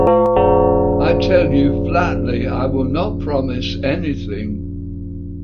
I tell you flatly I will not promise anything.